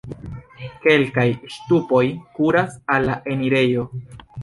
Kelkaj ŝtupoj kuras al la enirejo.